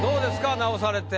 直されて。